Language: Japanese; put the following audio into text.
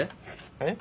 えっ？